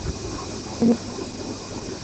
Jennifer, আমি নিশ্চিত প্রশান্ত চেন্নাইয়ের কোথাও আছে।